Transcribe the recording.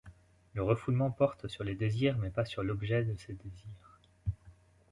Le refoulement porte sur les désirs mais pas sur l'objet de ces désirs.